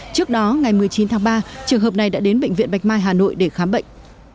trước đó ngày một mươi chín tháng ba trường hợp này đã đến bệnh viện bạch mai hà nội để khám bệnh